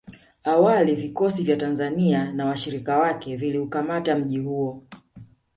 Awali vikosi vya Tanzania na washirika wake viliukamata mji huo